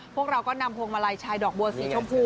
พวกเราก็นำพวงมาลัยชายดอกบัวสีชมพู